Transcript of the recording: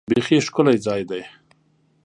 بیخي ښکلی ځای دی .